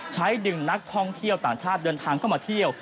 ดึงนักท่องเที่ยวต่างชาติเดินทางเข้ามาเที่ยว